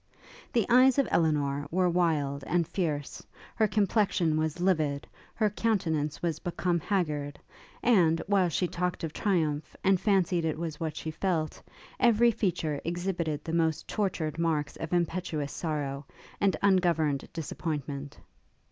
The eyes of Elinor were wild and fierce, her complexion was livid, her countenance was become haggard; and, while she talked of triumph, and fancied it was what she felt, every feature exhibited the most tortured marks of impetuous sorrow, and ungoverned disappointment.